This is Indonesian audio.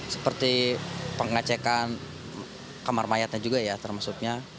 seperti pengecekan kamar mayatnya juga ya termasuknya